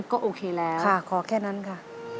ขอแค่นั้นค่ะ